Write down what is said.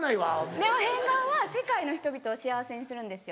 でも変顔は世界の人々を幸せにするんですよ。